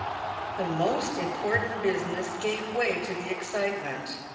The most important business gave way to the excitement.